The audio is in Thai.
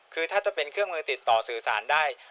คือถ้าจะเป็นเครื่องมือติดต่อสื่อสารได้